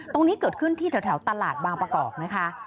ตรงนี้เกิดขึ้นที่แถวตลาดบางประกอบนะคะ